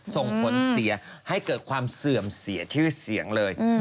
ส่งผลเสียให้เกิดความเสื่อมเสียชื่อเสียงเลย